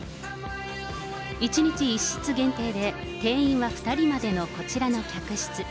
１日１室限定で、定員は２人までのこちらの客室。